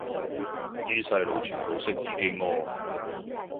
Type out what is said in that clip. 啲細路全部識自己屙